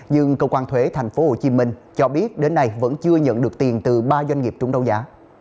nhưng cơ quan thuế tp hcm cho biết đến nay vẫn chưa nhận được tiền từ ba doanh nghiệp trúng đấu giá